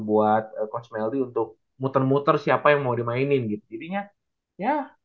buat coach melly untuk muter muter siapa yang mau dimainin gitu jadinya ya